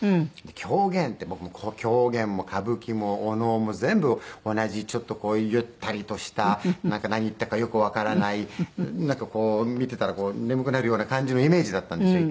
狂言って僕もう狂言も歌舞伎もお能も全部同じちょっとこうゆったりとしたなんか何言ってるかよくわからないなんかこう見てたら眠くなるような感じのイメージだったんですよ